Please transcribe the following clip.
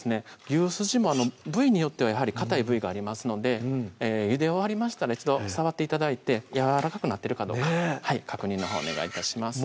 牛すじも部位によってはやはりかたい部位がありますのでゆで終わりましたら一度触って頂いてやわらかくなってるかどうか確認のほうお願い致します